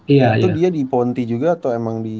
itu dia di ponti juga atau emang di